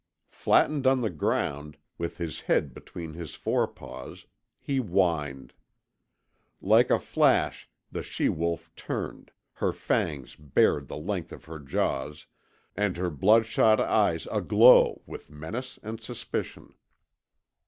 Flattened on the ground, with his head between his fore paws, he whined. Like a flash the she wolf turned, her fangs bared the length of her jaws and her bloodshot eyes aglow with menace and suspicion.